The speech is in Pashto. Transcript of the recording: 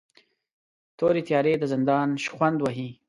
تورې تیارې د زندان شخوند وهي